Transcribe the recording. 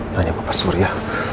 tanya bapak surya